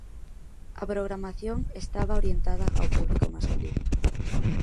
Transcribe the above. A programación estaba orientada ao público masculino.